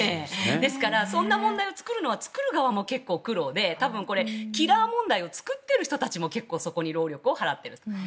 ですから、そんな問題を作るのは作る側も結構苦労でキラー問題を作る人たちも結構そこに労力を払っている。